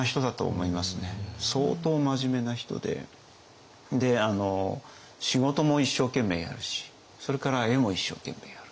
相当真面目な人で仕事も一生懸命やるしそれから絵も一生懸命やる。